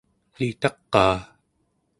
elitaqaa